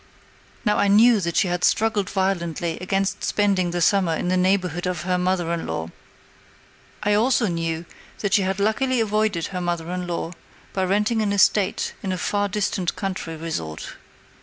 Now I knew that she had struggled violently against spending the summer in the neighborhood of her mother in law. I also knew that she had luckily avoided her mother in law by renting an estate in a far distant country resort.